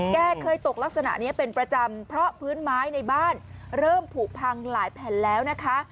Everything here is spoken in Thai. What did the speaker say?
แกเคยตกลักษณะนี้เป็นประจำเพราะพื้นไม้ในบ้านเริ่มผูกพังหลายแผ่นแล้วนะคะ